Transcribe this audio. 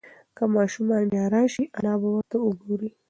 که ماشوم بیا راشي انا به ورته وگوري.